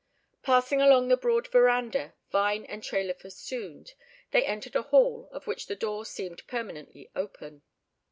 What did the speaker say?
Passing along the broad verandah, vine and trailer festooned, they entered a hall, of which the door seemed permanently open.